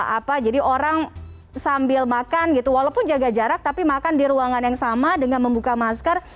apa jadi orang sambil makan gitu walaupun jaga jarak tapi makan di ruangan yang sama dengan membuka masker